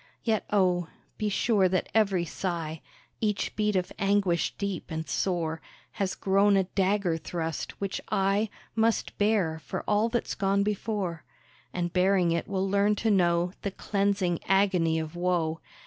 Yet oh! be sure that every sigh, Each beat of anguish deep and sore, Has grown a dagger thrust, which I Must bear for all that's gone before; And bearing it will learn to know The cleansing agony of woe.